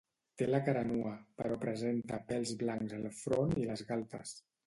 Té la cara nua, però presenta pèls blancs al front i les galtes.